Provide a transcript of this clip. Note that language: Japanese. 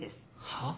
はっ？